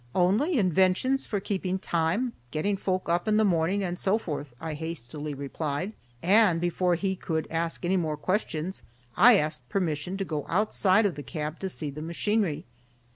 "Only inventions for keeping time, getting folk up in the morning, and so forth," I hastily replied, and before he could ask any more questions I asked permission to go outside of the cab to see the machinery.